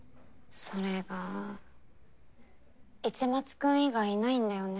それが市松君以外いないんだよね。